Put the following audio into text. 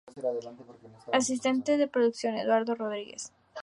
Asistente de producción: Eduardo Rodríguez.